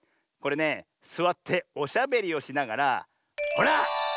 これねすわっておしゃべりをしながらほら